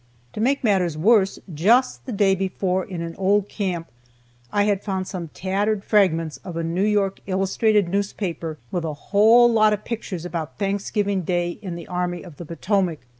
To make matters worse, just the day before in an old camp I had found some tattered fragments of a New York illustrated newspaper with a whole lot of pictures about Thanksgiving Day in the Army of the Potomac.